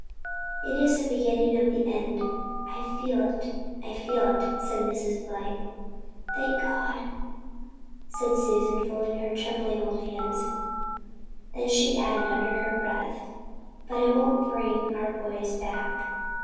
"It is the beginning of the end I feel it I feel it," said Mrs. Blythe. "Thank God," said Susan, folding her trembling old hands, Then she added, under her breath, "but it won't bring our boys back."